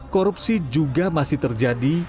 korupsi juga masih terjadi